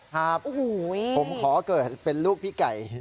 ครับผมขอเกิดเป็นลูกพี่ไก่